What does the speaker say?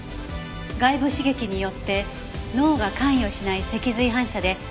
外部刺激によって脳が関与しない脊髄反射で手足を動かす事があるの。